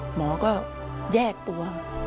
หมอก็แยกตัว